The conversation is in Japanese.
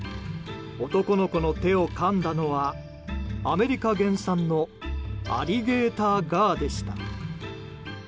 男の子の手をかんだのはアメリカ原産のアリゲーターガーでした。